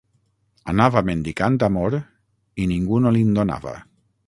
Anava mendicant amor i ningú no li'n donava.